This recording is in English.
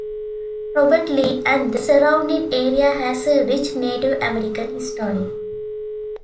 Robert Lee and the surrounding area has a rich Native American history.